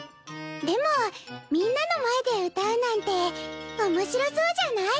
でもみんなの前で歌うなんて面白そうじゃない？